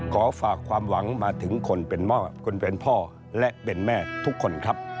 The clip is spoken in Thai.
ขอฝากความหวังมาถึงคนเป็นพ่อคนเป็นพ่อและเป็นแม่ทุกคนครับ